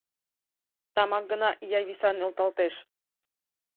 Тамак гына ия виса нӧлталтеш.